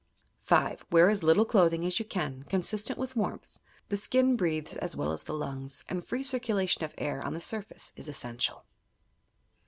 5. Wear as little clothing as you can, consistent with warmth. The skin breathes as well as the lungs, and free circulation of air on the surface is essential.